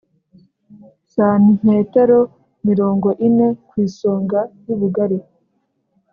santimetero mirongo ine kw'isonga y'ubugari